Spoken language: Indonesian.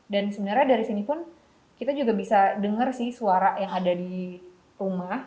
dan sebenarnya dari sini pun kita juga bisa dengar suara yang ada di rumah